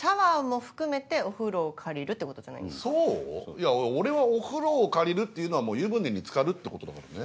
いや俺はお風呂を借りるっていうのはもう湯船につかるってことだからね？